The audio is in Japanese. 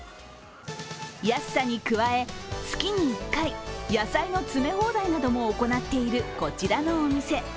安さに加え、月に１回野菜の詰め放題なども行っているこちらのお店。